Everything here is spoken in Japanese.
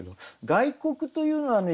外国というのはね